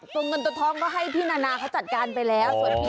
ตัวเงินตัวทองก็ให้พี่นาเขาจัดการไปแล้ว